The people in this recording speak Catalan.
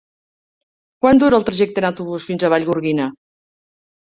Quant dura el trajecte en autobús fins a Vallgorguina?